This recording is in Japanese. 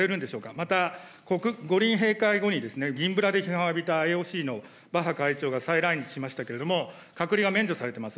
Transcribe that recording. また、五輪閉会後に銀ブラで批判を浴びたＩＯＣのバッハ会長が再来日しましたけれども、隔離は免除されてます。